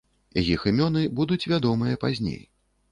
Іх імёны будуць вядомыя пазней.